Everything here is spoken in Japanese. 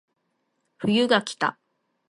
冬がきた